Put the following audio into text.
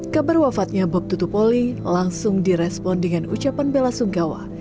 kabar wafatnya bob tutupoli langsung direspon dengan ucapan bela sunggawa